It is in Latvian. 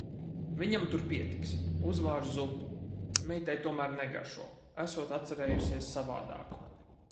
Viņam tur pietiks. Uzvāru zupu. Meitai tomēr negaršo, esot atcerējusies savādāku.